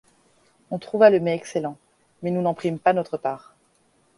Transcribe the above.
On trouva le mets excellent, mais nous n'en prîmes pas notre part.